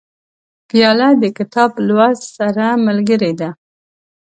پیاله د کتاب لوست سره ملګرې ده.